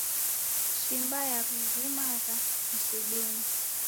Shimba yarurumagha msidunyi